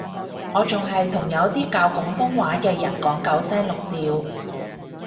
我仲係同有啲教廣東話嘅人講九聲六調